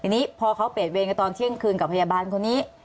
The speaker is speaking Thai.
ทีนี้พอเขาเปรียดเวรกับพยาบาลคนนี้